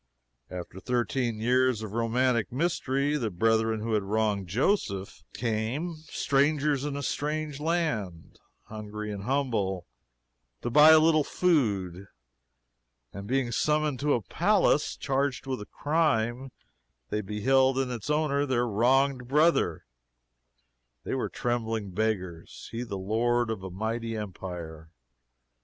After thirteen years of romantic mystery, the brethren who had wronged Joseph, came, strangers in a strange land, hungry and humble, to buy "a little food"; and being summoned to a palace, charged with crime, they beheld in its owner their wronged brother; they were trembling beggars he, the lord of a mighty empire!